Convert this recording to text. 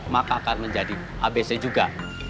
maka akan menjadi abc juga